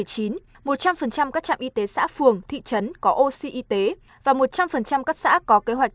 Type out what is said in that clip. một trăm linh các trạm y tế xã phường thị trấn có oxy y tế và một trăm linh các xã có kế hoạch